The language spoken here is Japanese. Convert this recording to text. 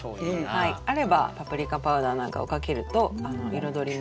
あればパプリカパウダーなんかをかけると彩りも。